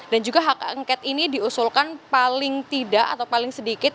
dan juga hak angket ini diusulkan paling tidak atau paling sedikit